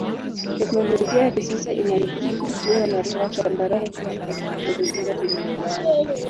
Teknolojia ya kisasa inaruhusu kuwa na taa tambarare hata katika mazingira penye mvua nyingi.